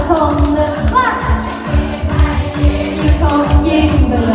ต้องใส่แท้นระยะต้องอักเท้า